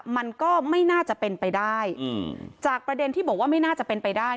มันก็ไม่น่าจะเป็นไปได้อืมจากประเด็นที่บอกว่าไม่น่าจะเป็นไปได้